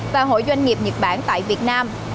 và hội doanh nghiệp nhật bản tại việt nam